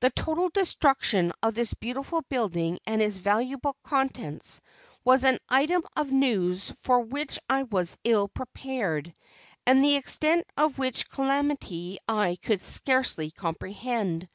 The total destruction of this beautiful building and its valuable contents, was an item of news for which I was ill prepared, and the extent of which calamity I could scarcely comprehend.